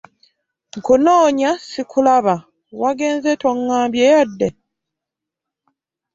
Nkunoonya sikulaba, wagenze tongambye yadde.